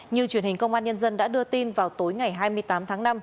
như truyền hình công an nhân dân đã đưa tin vào tối ngày hai mươi tám tháng năm